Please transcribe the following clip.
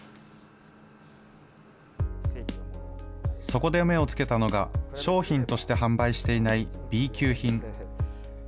そこで目をつけたのが商品として販売していないＢ級品。